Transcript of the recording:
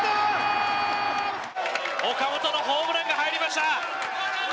岡本のホームランが入りました！